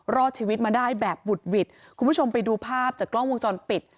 รอดชีวิตมาได้แบบบุดหวิดคุณผู้ชมไปดูภาพจากกล้องวงจรปิด